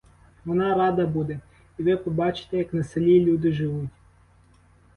Вона рада буде, і ви побачите, як на селі люди живуть.